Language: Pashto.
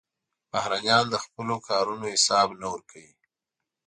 بهرنیان د خپلو کارونو حساب نه ورکوي.